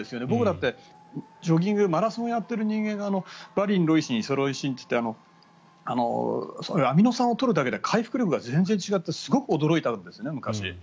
僕だってジョギングマラソンやっている人間でバリン、ロイシンイソロイシンってアミノ酸を取るだけで回復力が全然違ってすごく驚いたんですね。